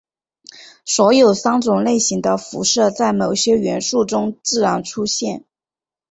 所有三种类型的辐射在某些元素中自然出现。